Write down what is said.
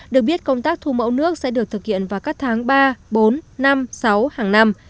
được biết công tác thu mẫu nước sẽ được thực hiện vào các tháng ba bốn năm sáu hàng năm